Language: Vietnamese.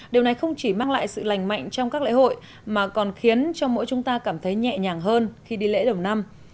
điều này không chỉ mang lại sự lành mạnh trong các lễ hội mà còn khiến cho mỗi chúng ta cảm thấy nhẹ nhàng hơn khi đi lễ đầu năm